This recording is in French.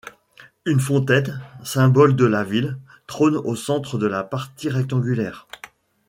Une fontaine, symbole de la ville, trône au centre de la partie rectangulaire.